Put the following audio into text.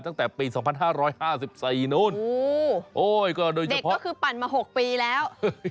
ตั้งแต่ปี๒๕๕๔โดยเฉพาะเด็กก็คือปั่นมา๖ปีแล้ว